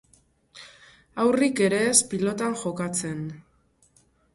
Haurrik ere ez pilotan jokatzen.